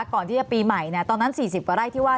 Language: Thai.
ก่อนที่จะปีใหม่ตอนนั้น๔๐กว่าไร่ที่ว่า